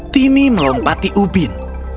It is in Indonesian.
timmy melompati ubin